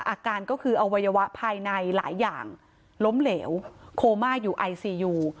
อาการก็คืออวัยวะภายในหลายอย่างล้มเหลวโคม่าอยู่ไอซียู